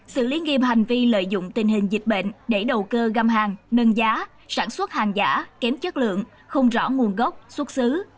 xử lý nghiêm hành vi lợi dụng tình hình dịch bệnh để đầu cơ găm hàng nâng giá sản xuất hàng giả kém chất lượng không rõ nguồn gốc xuất xứ